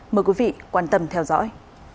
mời quý vị quan tâm theo dõi